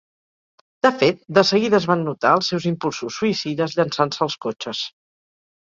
De fet, de seguida es van notar els seus impulsos suïcides llançant-se als cotxes.